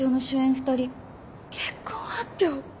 ２人結婚発表？